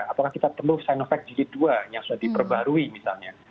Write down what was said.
apakah kita perlu sinovac jid dua yang sudah diperbarui misalnya